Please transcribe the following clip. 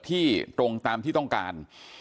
ตรงตามที่ต้องการ